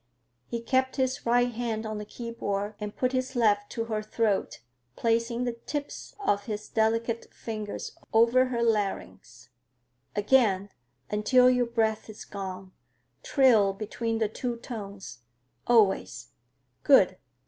He kept his right hand on the keyboard and put his left to her throat, placing the tips of his delicate fingers over her larynx. "Again,—until your breath is gone.—Trill between the two tones, always; good!